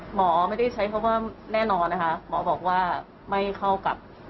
หมอไม่ได้ใช้คำว่าแน่นอนนะคะหมอบอกว่าไม่เข้ากับ